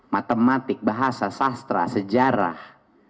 matematik bahasa sastra sejarah